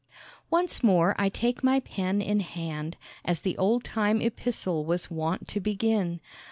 "Once more I take my pen in hand," as the old time epistle was wont to begin.